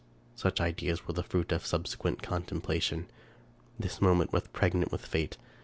Such ideas were the fruit of subsequent contemplation. This moment was pregnant with fate.